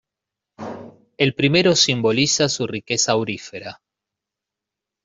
El primero simboliza su riqueza aurífera.